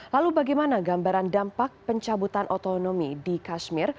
lalu bagaimana gambaran dampak pencabutan otonomi di kashmir